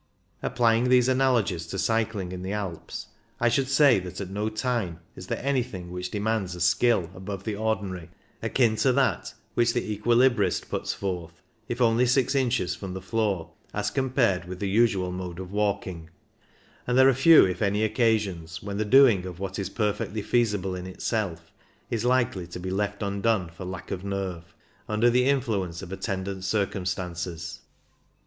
Applying these analogies to cycling in the Alps, I should say that at no time is there anything which demands a skill above the ordinary, akin to that which the equilibrist puts forth, if only six inches from the floor, as compared with the usual mode of walking ; and there are few, if any, occasions when the doing of what is perfectly feasible in itself is likely to be left undone for lack of nerve, under the influence of attendant circum stances.